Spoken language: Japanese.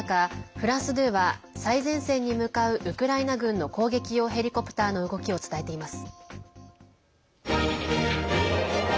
フランス２は最前線に向かうウクライナ軍の攻撃用ヘリコプターの動きを伝えています。